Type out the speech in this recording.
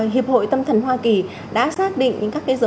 hiệp hội tâm thần hoa kỳ đã xác định những các cái dấu hiệu